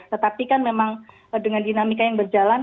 tetapi kan memang dengan dinamika yang berjalan